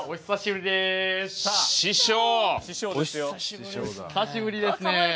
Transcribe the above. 久しぶりですね。